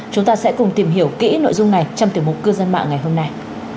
chúng ta sẽ cùng tìm hiểu kỹ nội dung này trong tiểu mục cư dân mạng ngày hôm nay